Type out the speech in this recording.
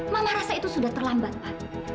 mama rasa itu sudah terlambat pak